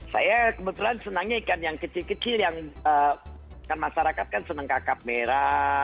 saya kebetulan senangnya ikan yang kecil kecil yang kan masyarakat kan senang kakap merah